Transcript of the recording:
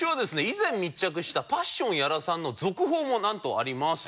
以前密着したパッション屋良さんの続報もなんとあります。